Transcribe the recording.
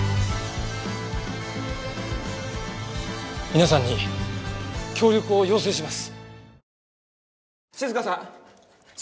皆さんに協力を要請します。